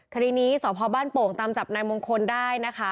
คดีนี้สพบ้านโป่งตามจับนายมงคลได้นะคะ